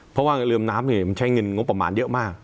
เพราะว่าเรือมน้ำมันใช้เงินงบประมาณเยอะมาก